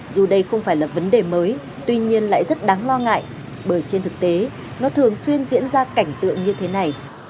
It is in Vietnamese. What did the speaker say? dù đây không phải là vấn đề mới tuy nhiên lại rất đáng lo ngại bởi trên thực tế nó thường xuyên diễn ra cảnh tượng như thế này